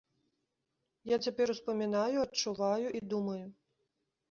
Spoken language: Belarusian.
Я цяпер успамінаю, адчуваю і думаю.